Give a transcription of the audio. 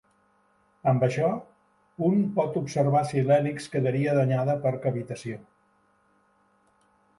Amb això, un pot observar si l'hèlix quedaria danyada per cavitació.